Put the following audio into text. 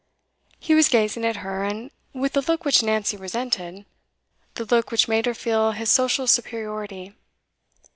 He was gazing at her, and with the look which Nancy resented, the look which made her feel his social superiority.